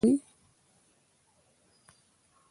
لینز کاروئ؟